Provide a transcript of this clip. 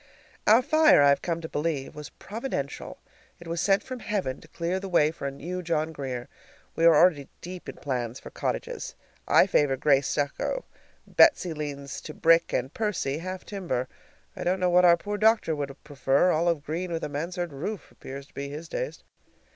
Our fire, I have come to believe, was providential. It was sent from heaven to clear the way for a new John Grier. We are already deep in plans for cottages. I favor gray stucco, Betsy leans to brick, and Percy, half timber. I don't know what our poor doctor would prefer; olive green with a mansard roof appears to be his taste.